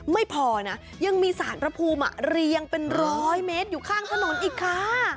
ไม่พอนะยังมีสารพระภูมิเรียงเป็นร้อยเมตรอยู่ข้างถนนอีกค่ะ